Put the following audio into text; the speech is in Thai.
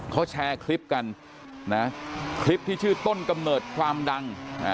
เขาแชร์คลิปกันนะคลิปที่ชื่อต้นกำเนิดความดัง